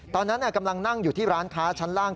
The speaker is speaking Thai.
ตอนนั้นกำลังนั่งอยู่ที่ร้านค้าชั้นล่าง